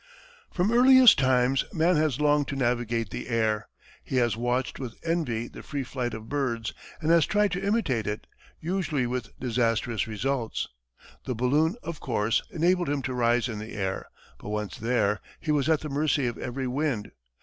From earliest times, man has longed to navigate the air. He has watched with envy the free flight of birds, and has tried to imitate it, usually with disastrous results. The balloon, of course, enabled him to rise in the air, but once there, he was at the mercy of every wind.